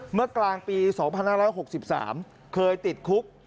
เมื่อกลางปี๒๕๖๓เคยติดคุก